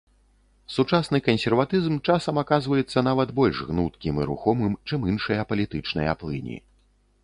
Сучасны кансерватызм часам аказваецца нават больш гнуткім і рухомым, чым іншыя палітычныя плыні.